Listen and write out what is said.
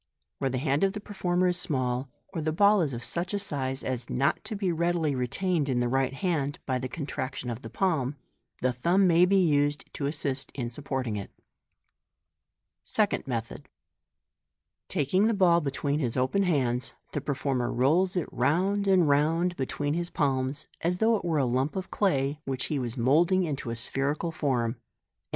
Where the hand of the performer is small, or the ball is of such a size as not to be readily retained in the right hand by the contraction of the palm, the thumb may be used to assist in supporting it. 204 AfODEKN MAGIC. Second Method. — Taking the ball between his opeu hands, the performer rolls it round and round between his palms, as though it wire a .urap of clay which he was moulding into a spherical form} and